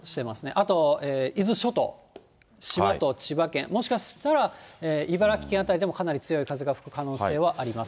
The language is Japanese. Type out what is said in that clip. あと伊豆諸島、千葉県、もしかしたら、茨城県辺りでもかなり強い風が吹く可能性があります。